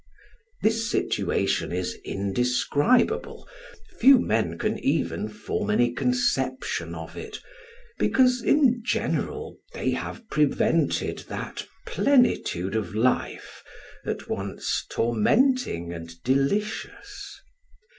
This situation is indescribable, few men can even form any conception of it, because, in general, they have prevented that plenitude of life, at once tormenting and delicious.